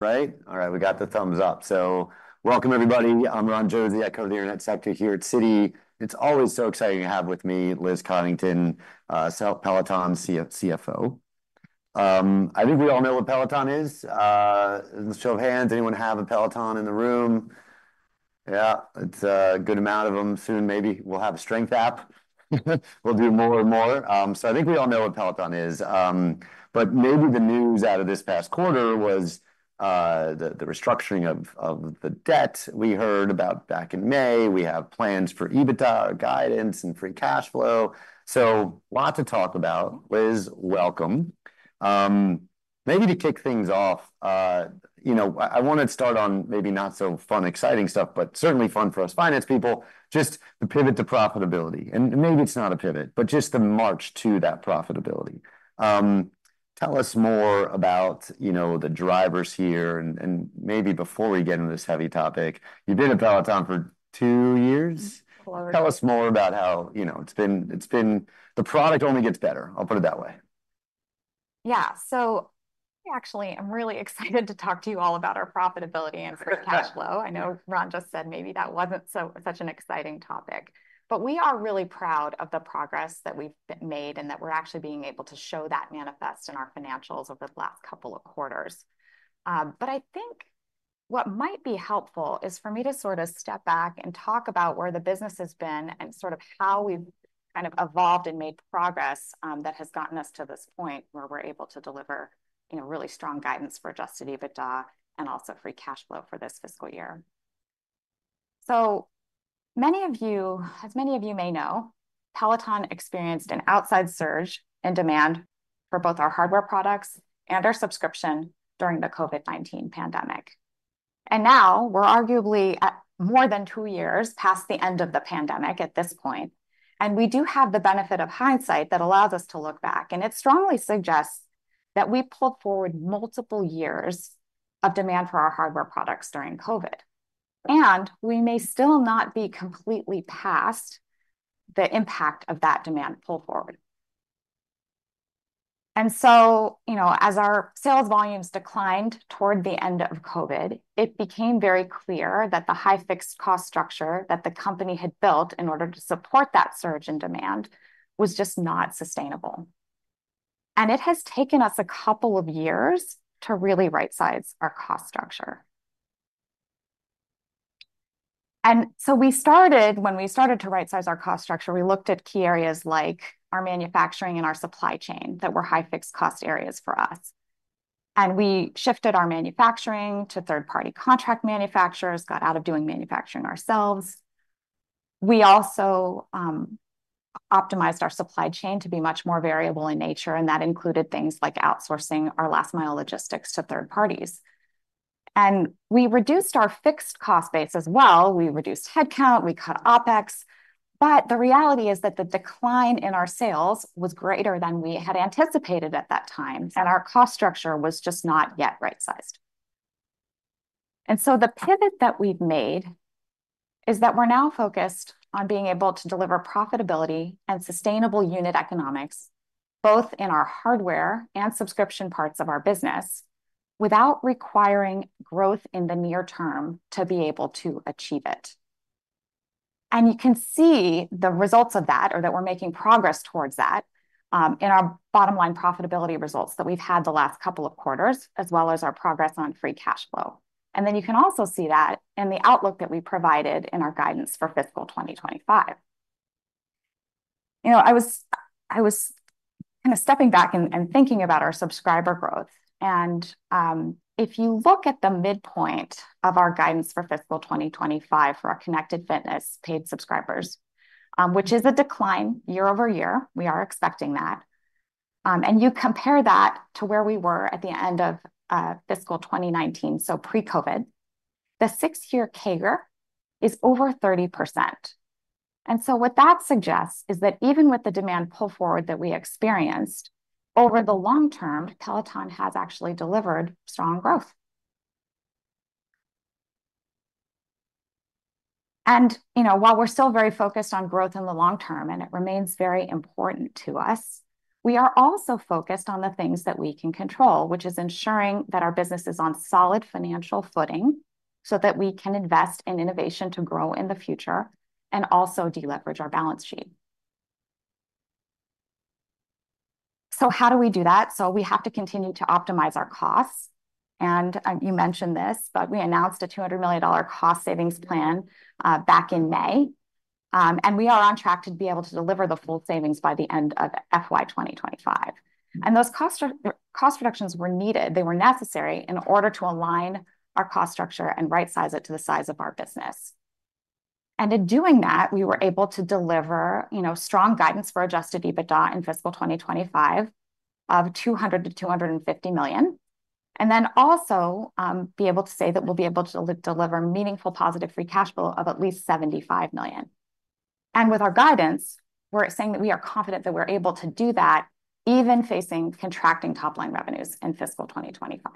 Right? All right, we got the thumbs up. So welcome, everybody. I'm Ron Josey. I cover the internet sector here at Citi. It's always so exciting to have with me Liz Coddington, Peloton's CFO. I think we all know what Peloton is. In a show of hands, anyone have a Peloton in the room? Yeah, it's a good amount of them. Soon, maybe we'll have a strength app. We'll do more and more. So I think we all know what Peloton is, but maybe the news out of this past quarter was the restructuring of the debt we heard about back in May. We have plans for EBITDA guidance and free cash flow. So a lot to talk about. Liz, welcome. Maybe to kick things off, you know, I wanna start on maybe not so fun, exciting stuff, but certainly fun for us finance people, just the pivot to profitability. Maybe it's not a pivot, but just the march to that profitability. Tell us more about, you know, the drivers here and maybe before we get into this heavy topic, you've been at Peloton for two years? Four. Tell us more about how, you know, it's been. The product only gets better, I'll put it that way. Yeah. So actually, I'm really excited to talk to you all about our profitability and free cash flow. I know Ron just said maybe that wasn't so such an exciting topic. But we are really proud of the progress that we've made, and that we're actually being able to show that manifest in our financials over the last couple of quarters. But I think what might be helpful is for me to sort of step back and talk about where the business has been, and sort of how we've kind of evolved and made progress that has gotten us to this point, where we're able to deliver, you know, really strong guidance for adjusted EBITDA, and also free cash flow for this fiscal year. So many of you, as many of you may know, Peloton experienced an outside surge in demand for both our hardware products and our subscription during the COVID-19 pandemic. And now, we are arguably at more than two years past the end of the pandemic at this point, and we do have the benefit of hindsight that allows us to look back. And it strongly suggests that we pulled forward multiple years of demand for our hardware products during COVID, and we may still not be completely past the impact of that demand pull forward. And so, you know, as our sales volumes declined toward the end of COVID, it became very clear that the high fixed cost structure that the company had built in order to support that surge in demand was just not sustainable. And it has taken us a couple of years to really rightsize our cost structure. when we started to rightsize our cost structure, we looked at key areas like our manufacturing and our supply chain that were high fixed cost areas for us. And we shifted our manufacturing to third-party contract manufacturers, got out of doing manufacturing ourselves. We also optimized our supply chain to be much more variable in nature, and that included things like outsourcing our last mile logistics to third parties. And we reduced our fixed cost base as well. We reduced headcount, we cut OpEx, but the reality is that the decline in our sales was greater than we had anticipated at that time and our cost structure was just not yet rightsized. And so the pivot that we've made is that we're now focused on being able to deliver profitability and sustainable unit economics, both in our hardware and subscription parts of our business, without requiring growth in the near term to be able to achieve it. And you can see the results of that or that we're making progress towards that, in our bottom line profitability results that we've had the last couple of quarters, as well as our progress on free cash flow. And then you can also see that in the outlook that we provided in our guidance for fiscal 2025. You know, I was kinda stepping back and thinking about our subscriber growth. If you look at the midpoint of our guidance for fiscal 2025 for our connected fitness paid subscribers, which is a decline year over year, we are expecting that. You compare that to where we were at the end of fiscal 2019, so pre-COVID, the six-year CAGR is over 30%. What that suggests is that even with the demand pull forward that we experienced, over the long term, Peloton has actually delivered strong growth. You know, while we're still very focused on growth in the long term, and it remains very important to us, we are also focused on the things that we can control, which is ensuring that our business is on solid financial footing, so that we can invest in innovation to grow in the future and also deleverage our balance sheet. How do we do that? So we have to continue to optimize our costs. And you mentioned this, but we announced a $200 million cost savings plan back in May. And we are on track to be able to deliver the full savings by the end of FY 2025. Those cost reductions were needed. They were necessary in order to align our cost structure and rightsize it to the size of our business. In doing that, we were able to deliver, you know, strong guidance for adjusted EBITDA in fiscal 2025 of $200 million-$250 million, and then also be able to say that we'll be able to deliver meaningful positive free cash flow of at least $75 million. With our guidance, we're saying that we are confident that we're able to do that, even facing contracting top-line revenues in fiscal 2025.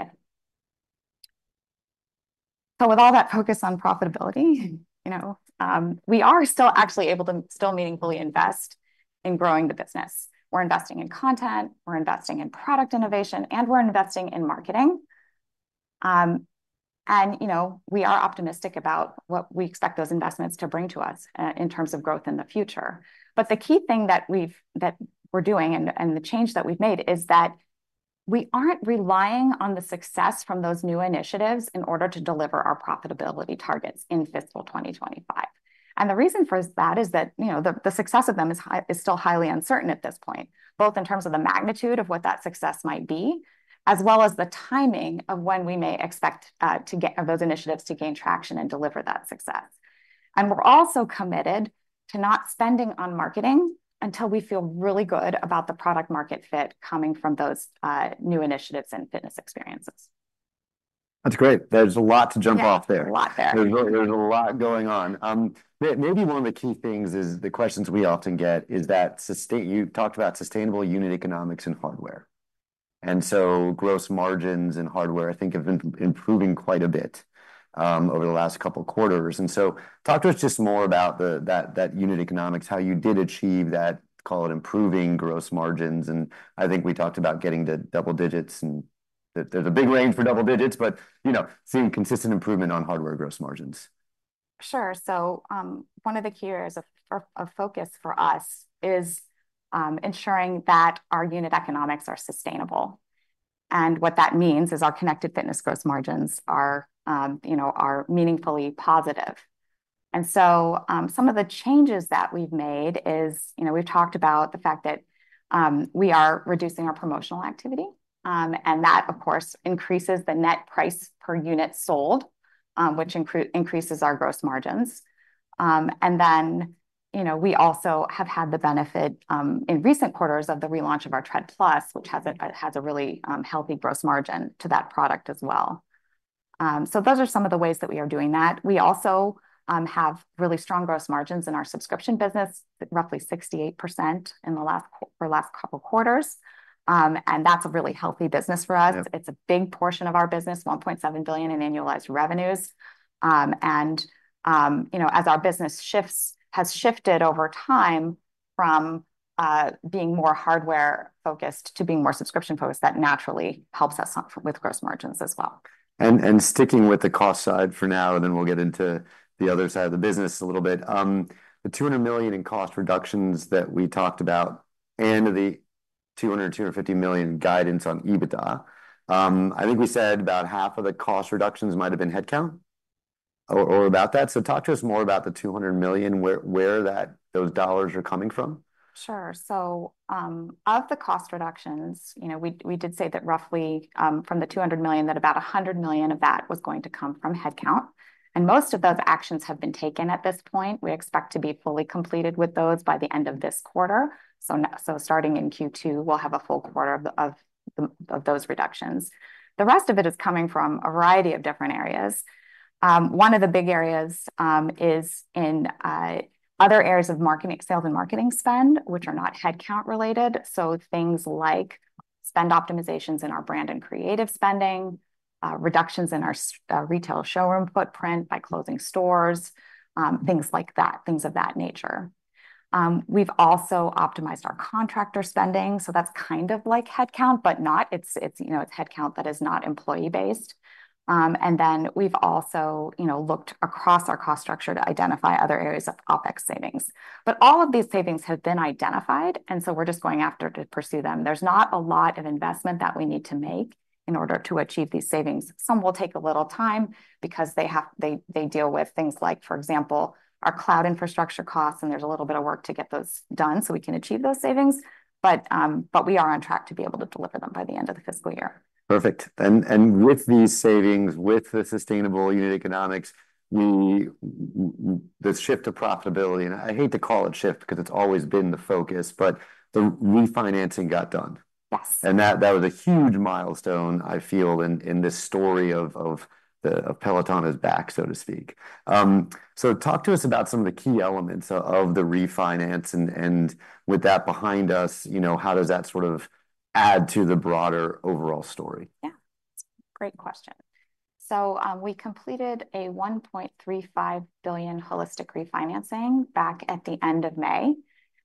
With all that focus on profitability, you know, we are still actually able to meaningfully invest in growing the business. We're investing in content, we're investing in product innovation, and we're investing in marketing. And, you know, we are optimistic about what we expect those investments to bring to us, in terms of growth in the future. But the key thing that we're doing and the change that we've made is that we aren't relying on the success from those new initiatives in order to deliver our profitability targets in fiscal 2025. And the reason for that is that, you know, the success of them is still highly uncertain at this point, both in terms of the magnitude of what that success might be, as well as the timing of when we may expect to get those initiatives to gain traction and deliver that success. And we're also committed to not spending on marketing until we feel really good about the product market fit coming from those new initiatives and fitness experiences. That's great. There's a lot to jump off there. Yeah, a lot there. There's a lot going on. Maybe one of the key things is the questions we often get is that you talked about sustainable unit economics and hardware. And so gross margins and hardware, I think, have been improving quite a bit over the last couple quarters. And so talk to us just more about that unit economics, how you did achieve that, call it improving gross margins. And I think we talked about getting to double digits, and that there's a big range for double digits, but you know, seeing consistent improvement on hardware gross margins. Sure. So, one of the key areas of focus for us is ensuring that our unit economics are sustainable. And what that means is our connected fitness gross margins are, you know, are meaningfully positive. And so, some of the changes that we've made is, you know, we've talked about the fact that we are reducing our promotional activity, and that, of course, increases the net price per unit sold, which increases our gross margins. And then, you know, we also have had the benefit in recent quarters of the relaunch of our Tread+, which has a really healthy gross margin to that product as well. So those are some of the ways that we are doing that. We also have really strong gross margins in our subscription business, roughly 68% in our last couple quarters, and that's a really healthy business for us. It's a big portion of our business, $1.7 billion in annualized revenues. You know, as our business shifts, has shifted over time from being more hardware focused to being more subscription focused, that naturally helps us some with gross margins as well. Sticking with the cost side for now, and then we'll get into the other side of the business a little bit. The $200 million in cost reductions that we talked about and the $200 million-$250 million guidance on EBITDA, I think we said about half of the cost reductions might have been headcount or about that. So talk to us more about the $200 million, where those dollars are coming from. Sure. So, of the cost reductions, you know, we did say that roughly, from the $200 million, that about $100 million of that was going to come from headcount, and most of those actions have been taken at this point. We expect to be fully completed with those by the end of this quarter. So starting in Q2, we'll have a full quarter of those reductions. The rest of it is coming from a variety of different areas. One of the big areas is in other areas of marketing, sales and marketing spend, which are not headcount related. So things like spend optimizations in our brand and creative spending, reductions in our retail showroom footprint by closing stores, things like that, things of that nature. We've also optimized our contractor spending, so that's kind of like headcount, but not. It's, you know, headcount that is not employee based, and then we've also, you know, looked across our cost structure to identify other areas of OpEx savings. But all of these savings have been identified, and so we're just going after to pursue them. There's not a lot of investment that we need to make in order to achieve these savings. Some will take a little time because they deal with things like, for example, our cloud infrastructure costs, and there's a little bit of work to get those done, so we can achieve those savings. But we are on track to be able to deliver them by the end of the fiscal year. Perfect. And with these savings, with the sustainable unit economics, this shift to profitability, and I hate to call it shift because it's always been the focus, but the refinancing got done. Yes. And that was a huge milestone, I feel, in this story of Peloton is back, so to speak. So talk to us about some of the key elements of the refinance, and with that behind us, you know, how does that sort of add to the broader overall story? Yeah. Great question, so we completed a $1.35 billion holistic refinancing back at the end of May,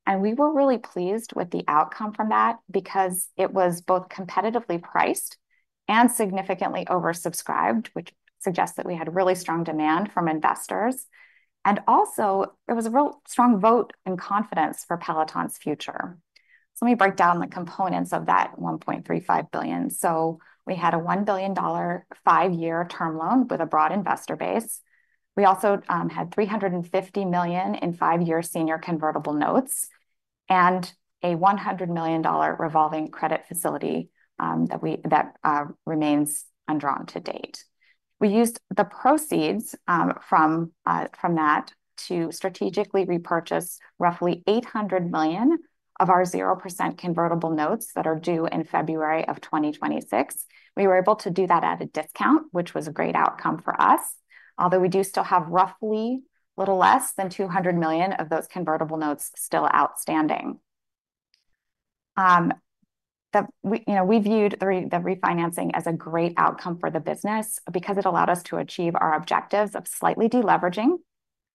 and we were really pleased with the outcome from that because it was both competitively priced and significantly oversubscribed, which suggests that we had really strong demand from investors. And also, it was a real strong vote and confidence for Peloton's future. So let me break down the components of that $1.35 billion. So we had a $1 billion, five-year term loan with a broad investor base. We also had $350 million in five-year senior convertible notes and a $100 million revolving credit facility that remains undrawn to date. We used the proceeds from that to strategically repurchase roughly $800 million of our 0% convertible notes that are due in February of 2026. We were able to do that at a discount, which was a great outcome for us, although we do still have roughly a little less than $200 million of those convertible notes still outstanding. You know, we viewed the refinancing as a great outcome for the business because it allowed us to achieve our objectives of slightly de-leveraging,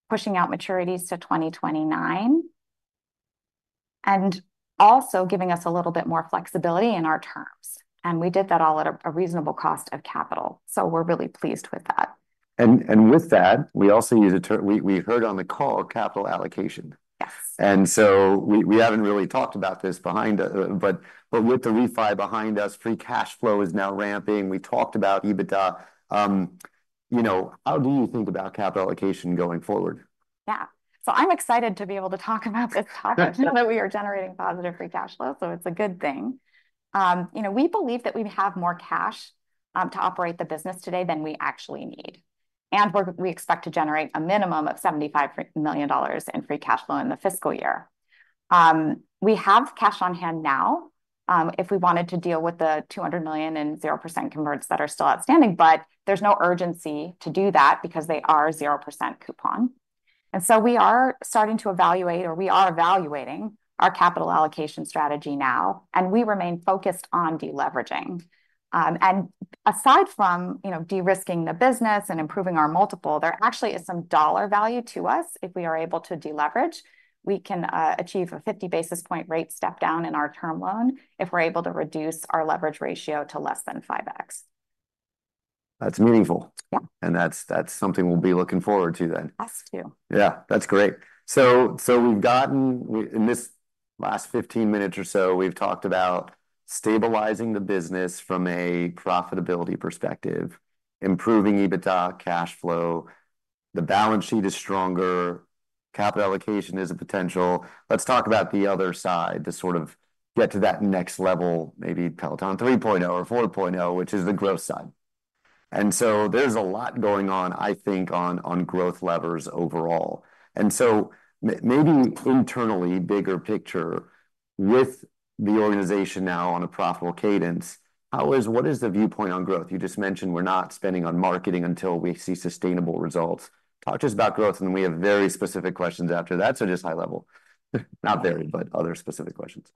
pushing out maturities to 2029, and also giving us a little bit more flexibility in our terms. We did that all at a reasonable cost of capital, so we're really pleased with that. And with that, we also use a term we heard on the call, capital allocation. Yes. And so we haven't really talked about this behind us, but with the refi behind us, free cash flow is now ramping. We talked about EBITDA. You know, how do you think about capital allocation going forward? Yeah. I'm excited to be able to talk about this topic now that we are generating positive free cash flow, so it's a good thing. You know, we believe that we have more cash to operate the business today than we actually need, and we expect to generate a minimum of $75 million in free cash flow in the fiscal year. We have cash on hand now, if we wanted to deal with the $200 million in 0% converts that are still outstanding, but there's no urgency to do that because they are 0% coupon. And so we are starting to evaluate, or we are evaluating our capital allocation strategy now, and we remain focused on de-leveraging. And aside from, you know, de-risking the business and improving our multiple, there actually is some dollar value to us if we are able to de-leverage. We can achieve a 50 basis point rate step down in our term loan if we're able to reduce our leverage ratio to less than 5x. That's meaningful. Yeah. That's something we'll be looking forward to then. Us too. Yeah, that's great. So we've gotten in this last 15 minutes or so, we've talked about stabilizing the business from a profitability perspective, improving EBITDA, cash flow, the balance sheet is stronger, capital allocation is a potential. Let's talk about the other side, to sort of get to that next level, maybe Peloton 3.0 or 4.0, which is the growth side. And so there's a lot going on, I think, on growth levers overall. And so maybe internally, bigger picture, with the organization now on a profitable cadence, how is--what is the viewpoint on growth? You just mentioned we're not spending on marketing until we see sustainable results. Talk to us about growth, and we have very specific questions after that, so just high level. Not very, but other specific questions.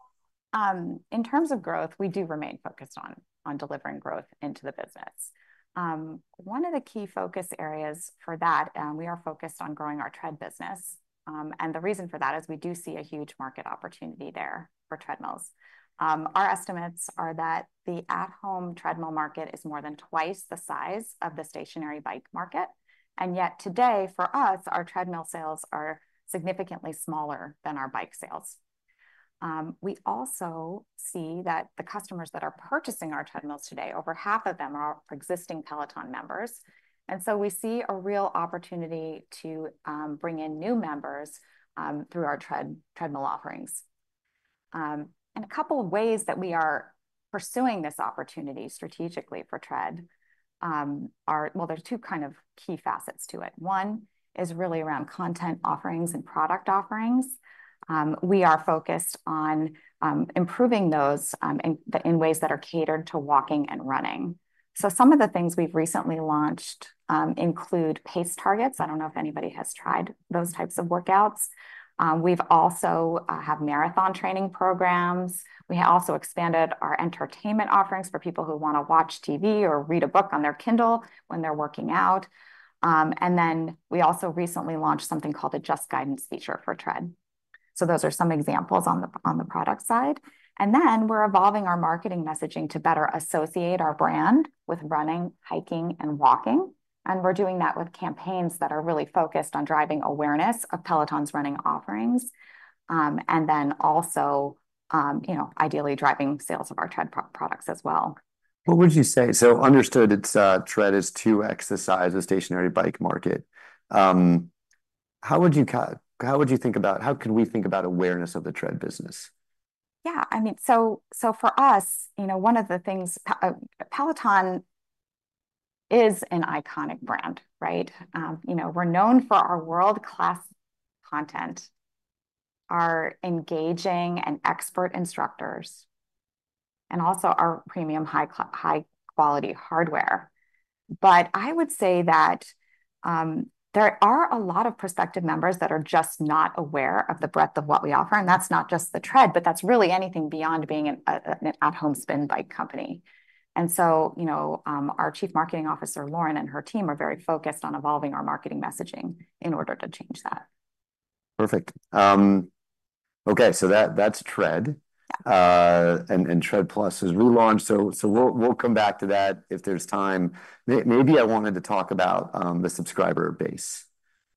In terms of growth, we do remain focused on delivering growth into the business. One of the key focus areas for that, and we are focused on growing our Tread business. And the reason for that is we do see a huge market opportunity there for treadmills. Our estimates are that the at-home treadmill market is more than twice the size of the stationary bike market, and yet today, for us, our treadmill sales are significantly smaller than our bike sales. We also see that the customers that are purchasing our treadmills today, over half of them are existing Peloton members, and so we see a real opportunity to bring in new members through our treadmill offerings. And a couple of ways that we are pursuing this opportunity strategically for Tread are. Well, there's two kind of key facets to it. One is really around content offerings and product offerings. We are focused on improving those in ways that are catered to walking and running. So some of the things we've recently launched include pace targets. I don't know if anybody has tried those types of workouts. We've also have marathon training programs. We have also expanded our entertainment offerings for people who wanna watch TV or read a book on their Kindle when they're working out. And then we also recently launched something called the Just Guidance feature for Tread. So those are some examples on the product side. We're evolving our marketing messaging to better associate our brand with running, hiking, and walking, and we're doing that with campaigns that are really focused on driving awareness of Peloton's running offerings, and then also, you know, ideally driving sales of our Tread products as well. What would you say? So understood, it's Tread is 2x the size of stationary bike market. How could we think about awareness of the Tread business? Yeah, I mean, so for us, you know, one of the things, Peloton is an iconic brand, right? You know, we're known for our world-class content, our engaging and expert instructors, and also our premium high quality hardware. But I would say that, there are a lot of prospective members that are just not aware of the breadth of what we offer, and that's not just the Tread, but that's really anything beyond being an at-home spin bike company. And so, you know, our Chief Marketing Officer, Lauren, and her team are very focused on evolving our marketing messaging in order to change that. Perfect. Okay, so that's Tread. And Tread+'s relaunch, so we'll come back to that if there's time. Maybe I wanted to talk about the subscriber base,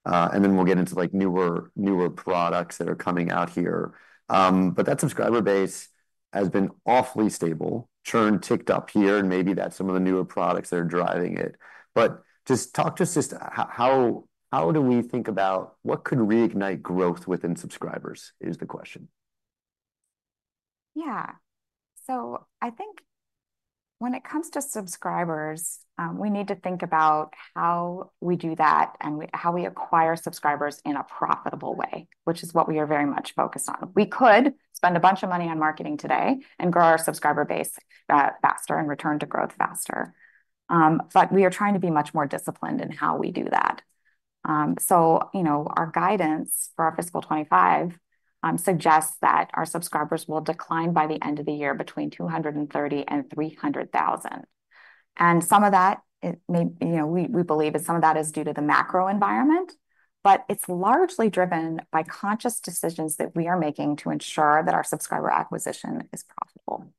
and then we'll get into like newer products that are coming out here. But that subscriber base has been awfully stable. Churn ticked up here, and maybe that's some of the newer products that are driving it. But just talk to us just how we think about what could reignite growth within subscribers, is the question. Yeah. So I think when it comes to subscribers, we need to think about how we do that and how we acquire subscribers in a profitable way, which is what we are very much focused on. We could spend a bunch of money on marketing today and grow our subscriber base faster and return to growth faster. But we are trying to be much more disciplined in how we do that. So, you know, our guidance for our fiscal 2025 suggests that our subscribers will decline by the end of the year between 230,000 and 300,000. And some of that, you know, we believe that some of that is due to the macro environment, but it's largely driven by conscious decisions that we are making to ensure that our subscriber acquisition is profitable.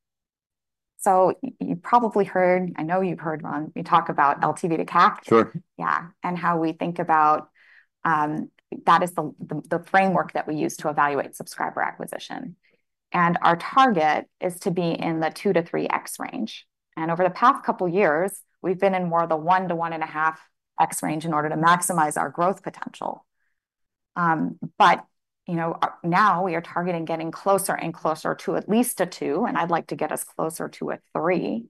So you've probably heard, I know you've heard, Ron, me talk about LTV to CAC. Sure. Yeah, and how we think about that is the framework that we use to evaluate subscriber acquisition. And our target is to be in the 2x-3x range, and over the past couple of years, we've been in more of the 1x-1.5x range in order to maximize our growth potential. But, you know, now we are targeting getting closer and closer to at least a 2x, and I'd like to get us closer to a 3x.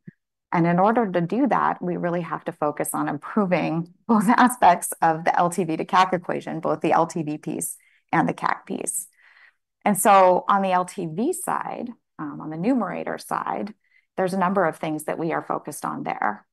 And in order to do that, we really have to focus on improving both aspects of the LTV to CAC equation, both the LTV piece and the CAC piece. And so on the LTV side, on the numerator side, there's a number of things that we are focused on there.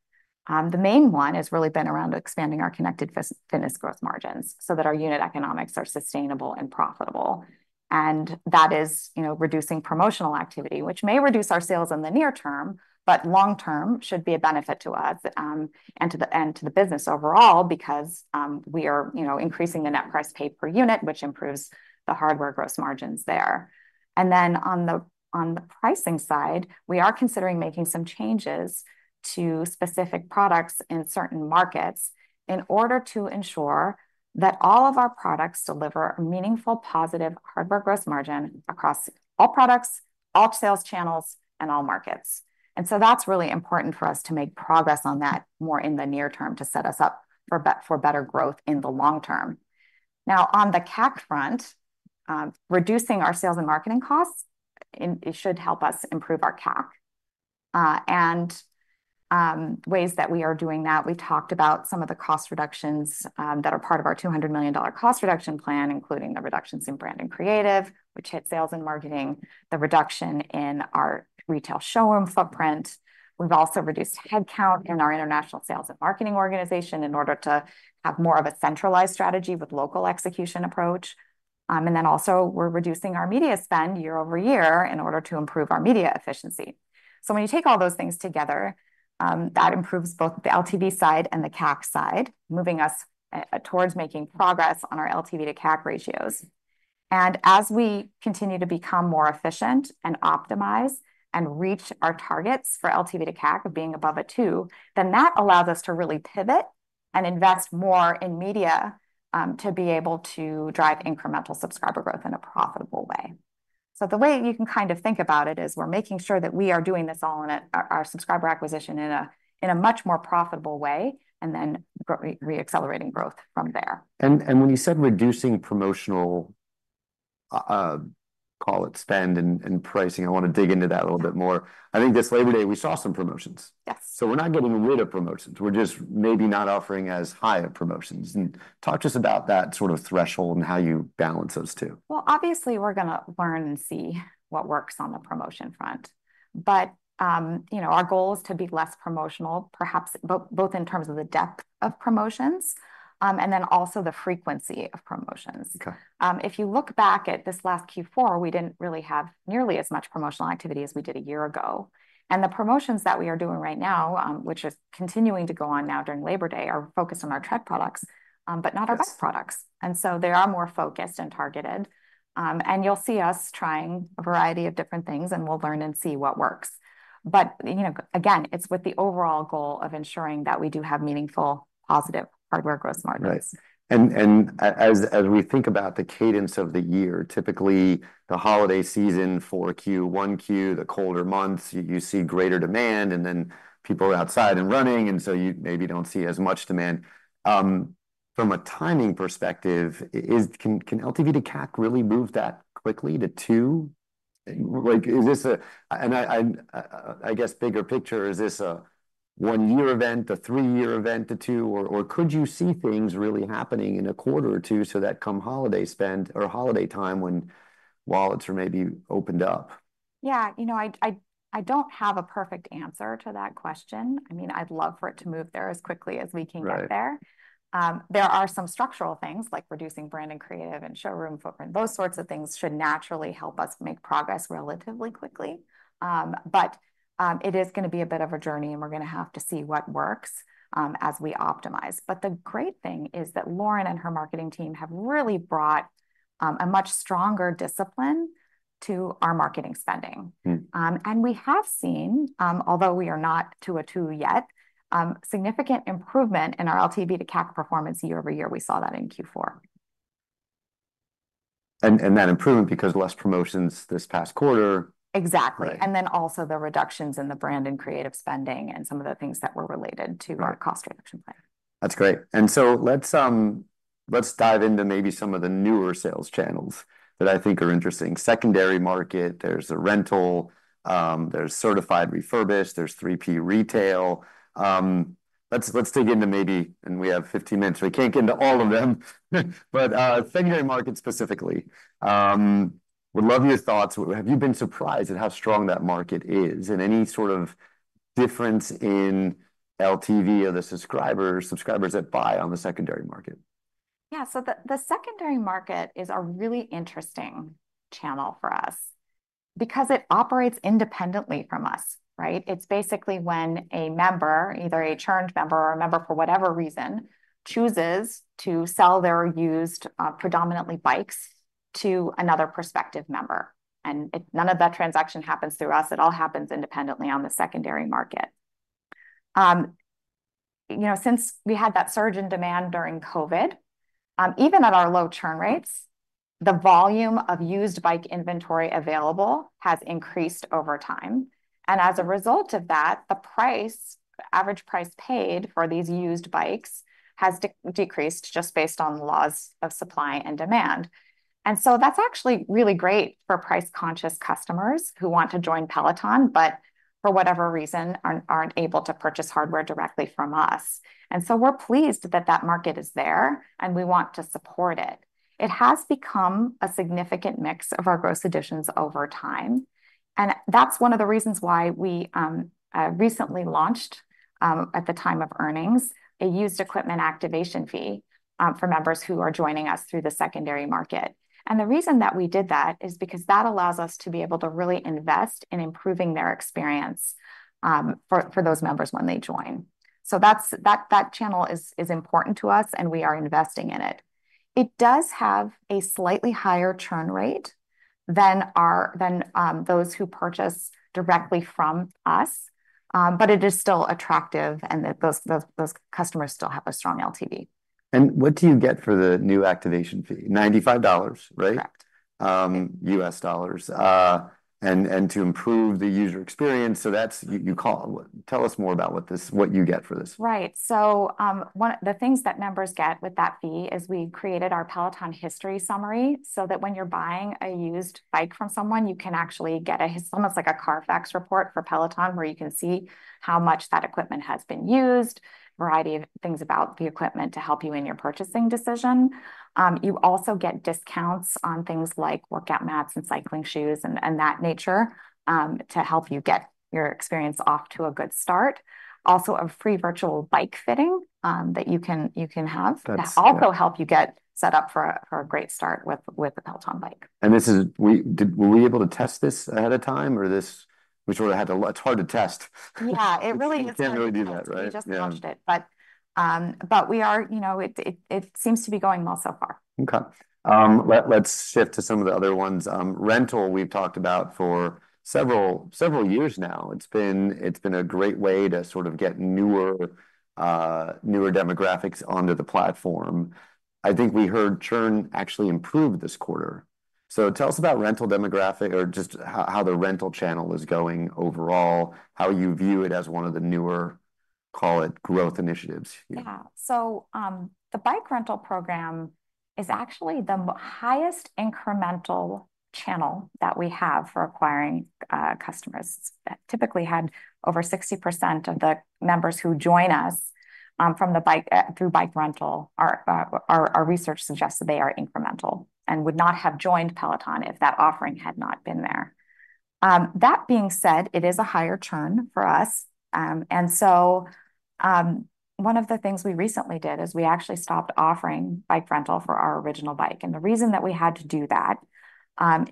The main one has really been around expanding our connected fitness growth margins so that our unit economics are sustainable and profitable. And that is, you know, reducing promotional activity, which may reduce our sales in the near term, but long term should be a benefit to us, and to the business overall because, we are, you know, increasing the net price paid per unit, which improves the hardware gross margins there. And then on the, on the pricing side, we are considering making some changes to specific products in certain markets in order to ensure that all of our products deliver meaningful, positive hardware gross margin across all products, all sales channels, and all markets. And so that's really important for us to make progress on that more in the near term, to set us up for better growth in the long term. Now, on the CAC front, reducing our sales and marketing costs, it should help us improve our CAC. Ways that we are doing that, we've talked about some of the cost reductions that are part of our $200 million cost reduction plan, including the reductions in brand and creative, which hit sales and marketing, the reduction in our retail showroom footprint. We've also reduced headcount in our international sales and marketing organization in order to have more of a centralized strategy with local execution approach. And then also we're reducing our media spend year over year in order to improve our media efficiency. When you take all those things together, that improves both the LTV side and the CAC side, moving us towards making progress on our LTV to CAC ratios. As we continue to become more efficient and optimize and reach our targets for LTV to CAC of being above a 2x, that allows us to really pivot and invest more in media to be able to drive incremental subscriber growth in a profitable way. The way you can kind of think about it is we're making sure that we are doing this all, our subscriber acquisition in a much more profitable way and then re-accelerating growth from there. When you said reducing promotional, call it spend and pricing, I want to dig into that a little bit more. I think this Labor Day, we saw some promotions. Yes. So we're not getting rid of promotions. We're just maybe not offering as high of promotions. And talk to us about that sort of threshold and how you balance those two. Obviously, we're gonna learn and see what works on the promotion front. You know, our goal is to be less promotional, perhaps both in terms of the depth of promotions, and then also the frequency of promotions. If you look back at this last Q4, we didn't really have nearly as much promotional activity as we did a year ago. The promotions that we are doing right now, which is continuing to go on now during Labor Day, are focused on our Tread products, but not our best products. And so they are more focused and targeted. And you'll see us trying a variety of different things, and we'll learn and see what works. But, you know, again, it's with the overall goal of ensuring that we do have meaningful, positive hardware gross margins. Right. And as we think about the cadence of the year, typically the holiday season for Q1, the colder months, you see greater demand, and then people are outside and running, and so you maybe don't see as much demand. From a timing perspective, can LTV to CAC really move that quickly to two? Like, is this a--and I guess bigger picture, is this a one-year event, a three-year event to two, or could you see things really happening in a quarter or two, so that come holiday spend or holiday time when wallets are maybe opened up? Yeah. You know, I don't have a perfect answer to that question. I mean, I'd love for it to move there as quickly as we can get there. Right. There are some structural things like reducing brand and creative and showroom footprint. Those sorts of things should naturally help us make progress relatively quickly, but it is gonna be a bit of a journey, and we're gonna have to see what works, as we optimize, but the great thing is that Lauren and her marketing team have really brought a much stronger discipline to our marketing spending. And we have seen, although we are not to a two yet, significant improvement in our LTV to CAC performance year over year. We saw that in Q4. That improvement, because less promotions this past quarter. Exactly. And then also the reductions in the brand and creative spending and some of the things that were related to our cost reduction plan. That's great. And so let's, let's dive into maybe some of the newer sales channels that I think are interesting. Secondary market, there's the rental, there's certified refurbished, there's 3P retail. Let's, let's dig into maybe. And we have fifteen minutes, so we can't get into all of them, but secondary market specifically, would love your thoughts. Have you been surprised at how strong that market is and any sort of difference in LTV of the subscriber, subscribers that buy on the secondary market? Yeah, so the secondary market is a really interesting channel for us, because it operates independently from us, right? It's basically when a member, either a churned member or a member for whatever reason, chooses to sell their used predominantly bikes to another prospective member, and none of that transaction happens through us. It all happens independently on the secondary market. You know, since we had that surge in demand during COVID, even at our low churn rates, the volume of used bike inventory available has increased over time, and as a result of that, the price, the average price paid for these used bikes has decreased just based on laws of supply and demand, and so that's actually really great for price-conscious customers who want to join Peloton, but for whatever reason, aren't able to purchase hardware directly from us. And so we're pleased that that market is there, and we want to support it. It has become a significant mix of our gross additions over time, and that's one of the reasons why we recently launched, at the time of earnings, a used equipment activation fee for members who are joining us through the secondary market. And the reason that we did that is because that allows us to be able to really invest in improving their experience for those members when they join. So that's that channel is important to us, and we are investing in it. It does have a slightly higher churn rate than our than those who purchase directly from us. But it is still attractive, and those customers still have a strong LTV. What do you get for the new activation fee? $95, right? Correct. U.S. dollars. And to improve the user experience, so that's--Tell us more about what you get for this. Right. So, one of the things that members get with that fee is we created our Peloton history summary, so that when you're buying a used bike from someone, you can actually get a history almost like a Carfax report for Peloton, where you can see how much that equipment has been used, a variety of things about the equipment to help you in your purchasing decision. You also get discounts on things like workout mats and cycling shoes and that nature, to help you get your experience off to a good start. Also, a free virtual bike fitting, that you can have. That's-- That also help you get set up for a great start with a Peloton Bike. Were we able to test this ahead of time, or this? We sort of had to. It's hard to test. Yeah, it really is-- You can't really do that, right? We just launched it. But we are. You know, it seems to be going well so far. Okay. Let's shift to some of the other ones. Rental, we've talked about for several years now. It's been a great way to sort of get newer demographics onto the platform. I think we heard churn actually improved this quarter. So tell us about rental demographic, or just how the rental channel is going overall, how you view it as one of the newer, call it, growth initiatives. Yeah. So, the bike rental program is actually the highest incremental channel that we have for acquiring customers. It's typically had over 60% of the members who join us from the bike through bike rental. Our research suggests that they are incremental and would not have joined Peloton if that offering had not been there. That being said, it is a higher churn for us. And so, one of the things we recently did is we actually stopped offering bike rental for our original Bike. And the reason that we had to do that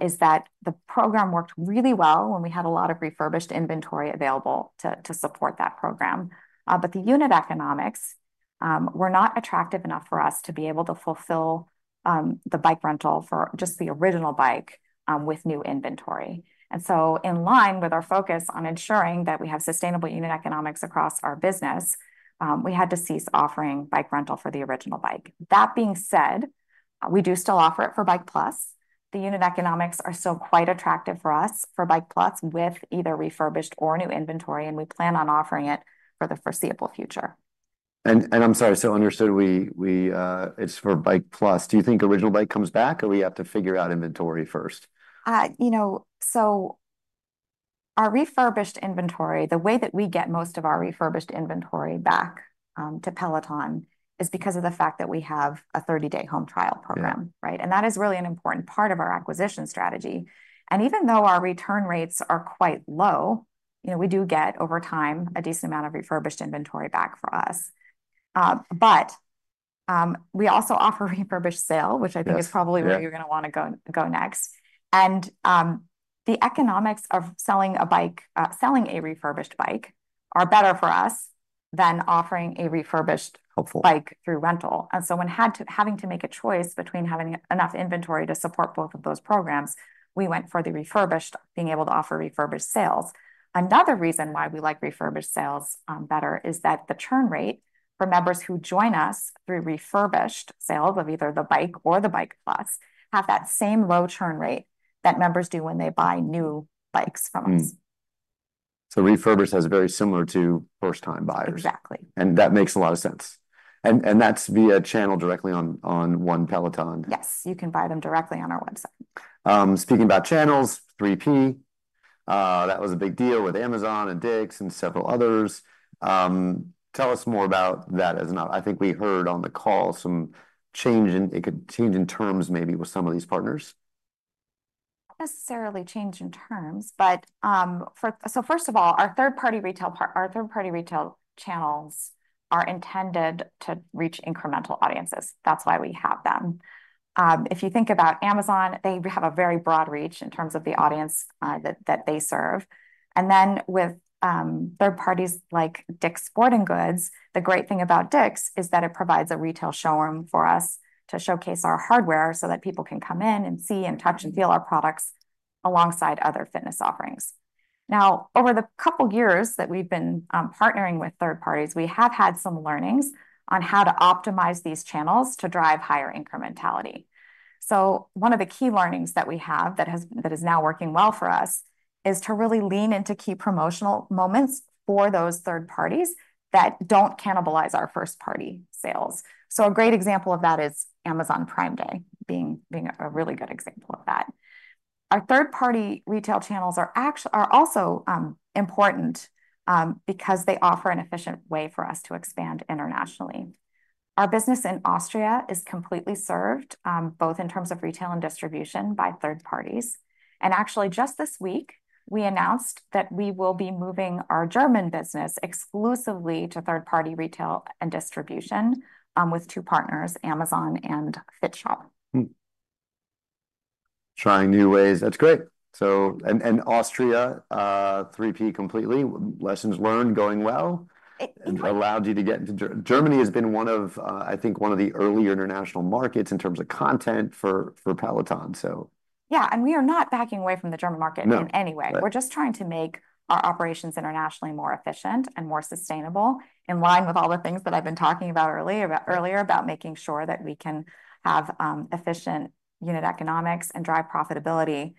is that the program worked really well when we had a lot of refurbished inventory available to support that program. But the unit economics were not attractive enough for us to be able to fulfill the bike rental for just the original Bike with new inventory. And so in line with our focus on ensuring that we have sustainable unit economics across our business, we had to cease offering bike rental for the original Bike. That being said, we do still offer it for Bike+. The unit economics are still quite attractive for us for Bike+, with either refurbished or new inventory, and we plan on offering it for the foreseeable future. I'm sorry, so understood, we, it's for Bike+. Do you think original Bike comes back, or we have to figure out inventory first? You know, so our refurbished inventory, the way that we get most of our refurbished inventory back to Peloton, is because of the fact that we have a 30-day home trial program. Yeah. Right? And that is really an important part of our acquisition strategy. And even though our return rates are quite low, you know, we do get, over time, a decent amount of refurbished inventory back for us. But we also offer refurbished sale which I think is probably where you're gonna wanna go next. And the economics of selling a refurbished bike are better for us than offering a refurbished Bike through rental. And so when we had to make a choice between having enough inventory to support both of those programs, we went for the refurbished, being able to offer refurbished sales. Another reason why we like refurbished sales better is that the churn rate for members who join us through refurbished sales of either the Bike or the Bike+ have that same low churn rate that members do when they buy new bikes from us. So refurbished has very similar to first-time buyers? Exactly. That makes a lot of sense. And that's via channel directly on One Peloton? Yes, you can buy them directly on our website. Speaking about channels, 3P, that was a big deal with Amazon and DICK'S and several others. Tell us more about that. I think we heard on the call some change in it could change in terms maybe with some of these partners? Necessarily change in terms, but, so first of all, our third-party retail part, our third-party retail channels are intended to reach incremental audiences. That's why we have them. If you think about Amazon, they have a very broad reach in terms of the audience that they serve. And then with third parties like DICK'S Sporting Goods, the great thing about DICK'S is that it provides a retail showroom for us to showcase our hardware so that people can come in and see and touch and feel our products alongside other fitness offerings. Now, over the couple years that we've been partnering with third parties, we have had some learnings on how to optimize these channels to drive higher incrementality. One of the key learnings that we have, that is now working well for us, is to really lean into key promotional moments for those third parties that don't cannibalize our first-party sales. A great example of that is Amazon Prime Day, being a really good example of that. Our third-party retail channels are also important because they offer an efficient way for us to expand internationally. Our business in Austria is completely served both in terms of retail and distribution by third parties. And actually, just this week, we announced that we will be moving our German business exclusively to third-party retail and distribution with two partners, Amazon and Fitshop. Hmm. Trying new ways. That's great. And Austria, 3P completely, lessons learned, going well? Allowed you to get into Germany has been one of, I think, one of the earlier international markets in terms of content for Peloton, so. Yeah, and we are not backing away from the German market in any way. Right. We're just trying to make our operations internationally more efficient and more sustainable, in line with all the things that I've been talking about earlier about making sure that we can have efficient unit economics and drive profitability.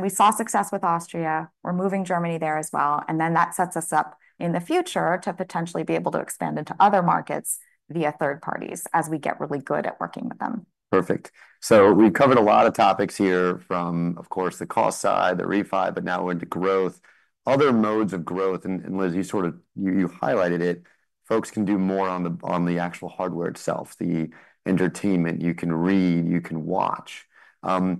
We saw success with Austria. We're moving Germany there as well, and then that sets us up in the future to potentially be able to expand into other markets via third parties, as we get really good at working with them. Perfect. So we've covered a lot of topics here from, of course, the cost side, the refi, but now into growth. Other modes of growth, and Liz, you sort of, you highlighted it, folks can do more on the actual hardware itself, the entertainment. You can read, you can watch. How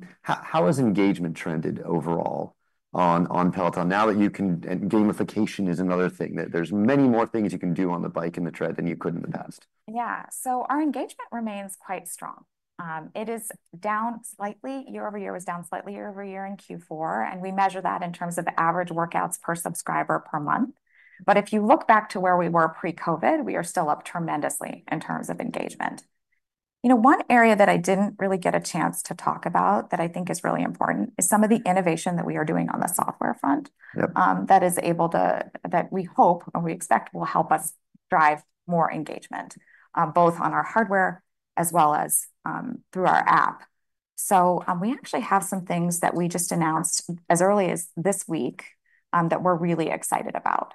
has engagement trended overall on Peloton now that you can? And gamification is another thing, that there's many more things you can do on the Bike and the Tread than you could in the past. Yeah. So our engagement remains quite strong. It is down slightly. Year over year, it was down slightly year over year in Q4, and we measure that in terms of average workouts per subscriber per month. But if you look back to where we were pre-COVID, we are still up tremendously in terms of engagement. You know, one area that I didn't really get a chance to talk about that I think is really important is some of the innovation that we are doing on the software front that is able to, that we hope and we expect will help us drive more engagement, both on our hardware as well as, through our app. So, we actually have some things that we just announced as early as this week, that we're really excited about.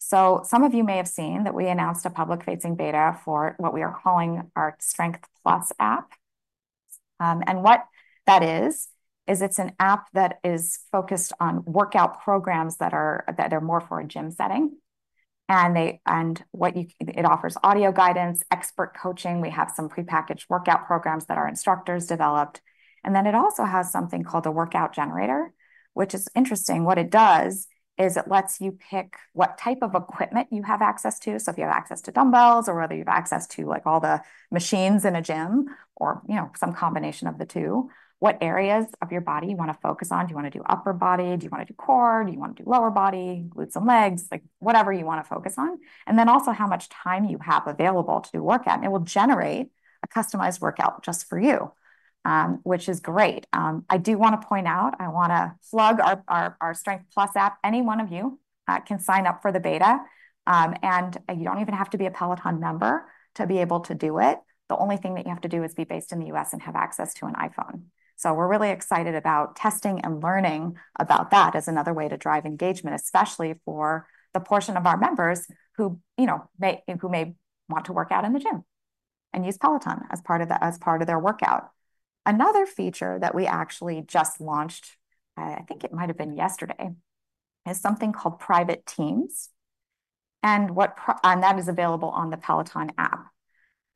So some of you may have seen that we announced a public-facing beta for what we are calling our Strength+ app. And what that is, it's an app that is focused on workout programs that are more for a gym setting, and it offers audio guidance, expert coaching. We have some prepackaged workout programs that our instructors developed. And then it also has something called a workout generator, which is interesting. What it does is it lets you pick what type of equipment you have access to, so if you have access to dumbbells or whether you have access to, like, all the machines in a gym or, you know, some combination of the two, what areas of your body you wanna focus on. Do you wanna do upper body? Do you wanna do core? Do you wanna do lower body, glutes and legs? Like, whatever you wanna focus on. And then also how much time you have available to do a workout, and it will generate a customized workout just for you, which is great. I do wanna point out, I wanna plug our Strength+ app. Any one of you can sign up for the beta, and you don't even have to be a Peloton member to be able to do it. The only thing that you have to do is be based in the U.S. and have access to an iPhone. So we're really excited about testing and learning about that as another way to drive engagement, especially for the portion of our members who, you know, may want to work out in the gym and use Peloton as part of their workout. Another feature that we actually just launched, I think it might have been yesterday, is something called Private Teams, and what Private Teams - and that is available on the Peloton app.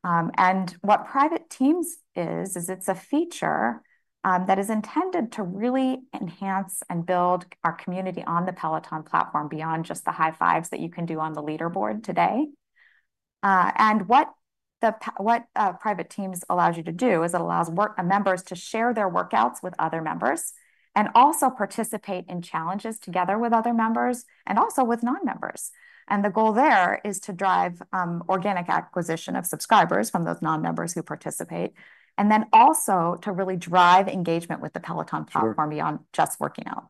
And what Private Teams is, is it's a feature that is intended to really enhance and build our community on the Peloton platform beyond just the high fives that you can do on the leaderboard today. And what Private Teams allows you to do is it allows members to share their workouts with other members and also participate in challenges together with other members, and also with non-members. And the goal there is to drive organic acquisition of subscribers from those non-members who participate, and then also to really drive engagement with the Peloton platform beyond just working out.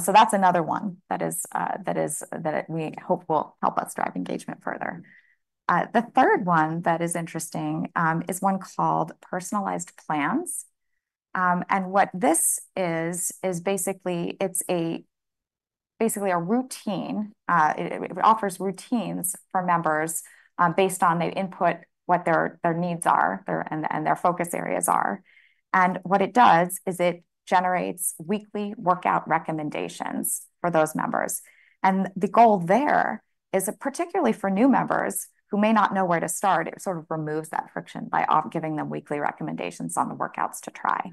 So that's another one that we hope will help us drive engagement further. The third one that is interesting is one called Personalized Plans, and what this is is basically it's a routine. It offers routines for members based on their input, what their needs are, and their focus areas are. What it does is it generates weekly workout recommendations for those members, and the goal there is that particularly for new members who may not know where to start, it sort of removes that friction by offering them weekly recommendations on the workouts to try.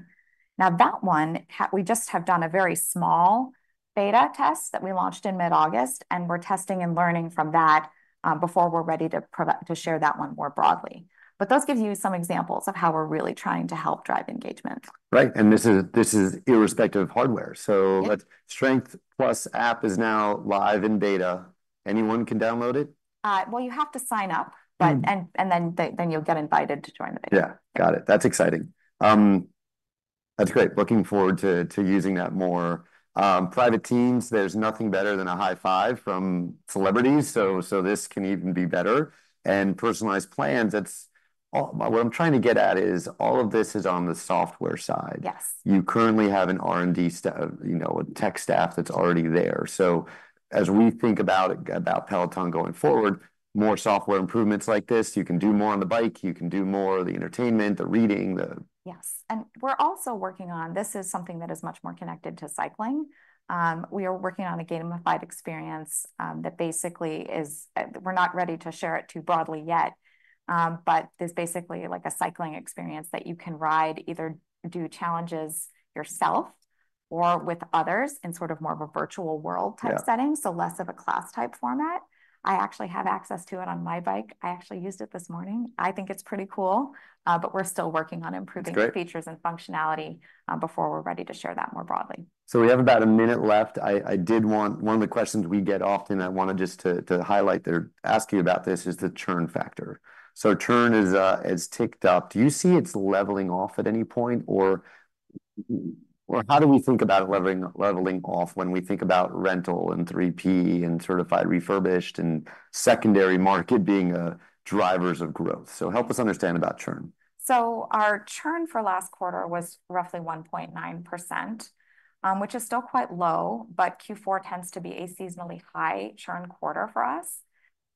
Now, that one, we just have done a very small beta test that we launched in mid-August, and we're testing and learning from that, before we're ready to share that one more broadly. But those give you some examples of how we're really trying to help drive engagement. Right, and this is irrespective of hardware. Yes. So but Strength+ app is now live in beta. Anyone can download it? Well, you have to sign up but then you'll get invited to join the beta. Yeah. Got it. That's exciting. That's great. Looking forward to using that more. Private Teams, there's nothing better than a high five from celebrities, so this can even be better. And Personalized Plans, that's what I'm trying to get at is all of this is on the software side. Yes. You currently have an R&D staff, you know, a tech staff that's already there, so as we think about Peloton going forward, more software improvements like this, you can do more on the bike, you can do more on the entertainment, the reading, the-- Yes, and we're also working on this. This is something that is much more connected to cycling. We are working on a gamified experience that basically is. We're not ready to share it too broadly yet, but there's basically like a cycling experience that you can ride, either do challenges yourself or with others in sort of more of a virtual world type setting, so less of a class-type format. I actually have access to it on my bike. I actually used it this morning. I think it's pretty cool, but we're still working on improving the features and functionality, before we're ready to share that more broadly. We have about a minute left. I did want one of the questions we get often. I wanna just to highlight or ask you about this, is the churn factor. So churn is ticked up. Do you see it's leveling off at any point or, well, how do we think about leveling off when we think about rental and 3P and certified refurbished and secondary market being drivers of growth? So help us understand about churn. So our churn for last quarter was roughly 1.9%, which is still quite low, but Q4 tends to be a seasonally high churn quarter for us.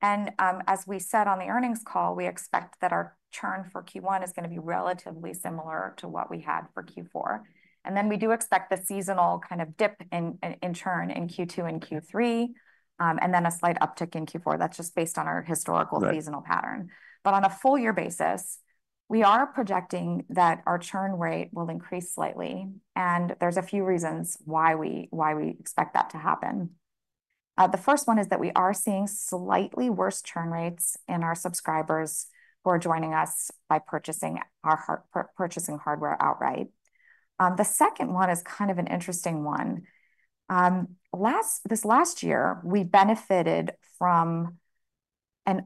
And, as we said on the earnings call, we expect that our churn for Q1 is gonna be relatively similar to what we had for Q4. And then we do expect the seasonal kind of dip in churn in Q2 and Q3, and then a slight uptick in Q4. That's just based on our historical seasonal pattern. But on a full year basis, we are projecting that our churn rate will increase slightly, and there's a few reasons why we expect that to happen. The first one is that we are seeing slightly worse churn rates in our subscribers who are joining us by purchasing our hardware outright. The second one is kind of an interesting one. This last year, we benefited from a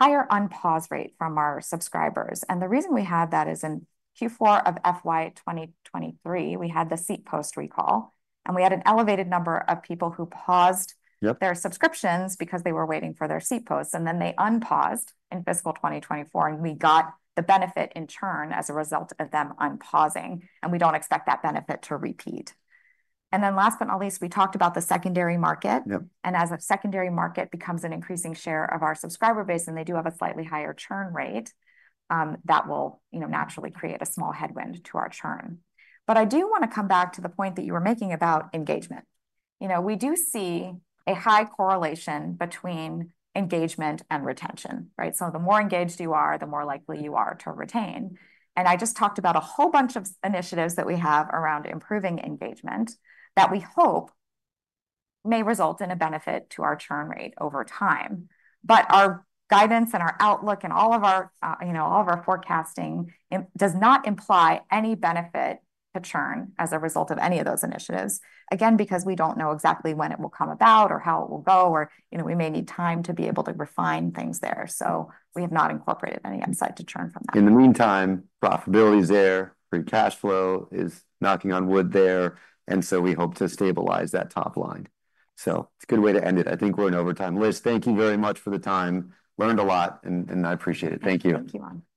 higher unpause rate from our subscribers, and the reason we had that is in Q4 of FY 2023, we had the seat post recall, and we had an elevated number of people who paused their subscriptions because they were waiting for their seat posts, and then they unpaused in fiscal 2024, and we got the benefit in churn as a result of them unpausing, and we don't expect that benefit to repeat. And then last but not least, we talked about the secondary market. Yep. As the secondary market becomes an increasing share of our subscriber base, and they do have a slightly higher churn rate, that will, you know, naturally create a small headwind to our churn. But I do wanna come back to the point that you were making about engagement. You know, we do see a high correlation between engagement and retention, right? So the more engaged you are, the more likely you are to retain. And I just talked about a whole bunch of initiatives that we have around improving engagement that we hope may result in a benefit to our churn rate over time. But our guidance and our outlook and all of our, you know, all of our forecasting does not imply any benefit to churn as a result of any of those initiatives, again, because we don't know exactly when it will come about or how it will go or, you know, we may need time to be able to refine things there. So we have not incorporated any insight to churn from that. In the meantime, profitability is there, free cash flow is knocking on wood there, and so we hope to stabilize that top line. So it's a good way to end it. I think we're in overtime. Liz, thank you very much for the time. Learned a lot, and I appreciate it. Thank you. Thank you, Ron.